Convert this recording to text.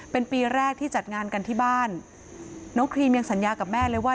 เป็นปีแรกที่จัดงานกันที่บ้านน้องครีมยังสัญญากับแม่เลยว่า